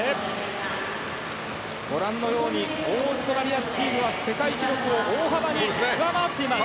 オーストラリアチームは世界記録を大幅に上回っています。